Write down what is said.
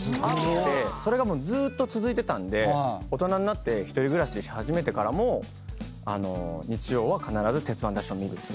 それがずーっと続いてたんで大人になって１人暮らしし始めてからも日曜は必ず『鉄腕！ＤＡＳＨ‼』を見る。